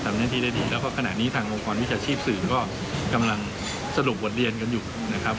ทำหน้าที่ได้ดีแล้วก็ขณะนี้ทางองค์กรวิชาชีพสื่อก็กำลังสรุปบทเรียนกันอยู่นะครับ